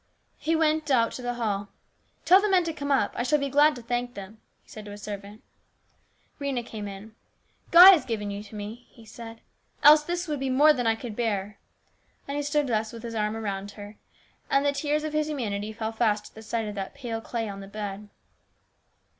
He went out to the hall. " Tell the men to come up ; I shall be glad to thank them," he said to a servant. Rhena came in. " God has given you to me," he 318 HIS BROTHER'S KEEPER. said, " else this would be more than I could bear ;" and he stood thus with his arm about her, and the tears of his humanity fell fast at the sight of that pale clay on the bed.